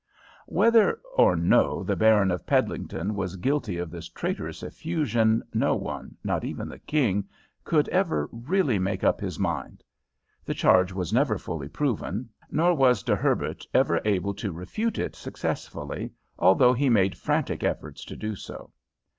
_" Whether or no the Baron of Peddlington was guilty of this traitorous effusion no one, not even the king, could ever really make up his mind. The charge was never fully proven, nor was De Herbert ever able to refute it successfully, although he made frantic efforts to do so.